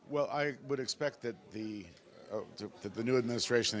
saya mengharapkan bahwa pemerintah baru ini